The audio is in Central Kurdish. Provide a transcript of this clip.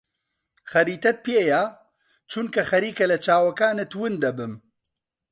خەریتەت پێیە؟ چونکە خەریکە لە چاوەکانت ون دەبم.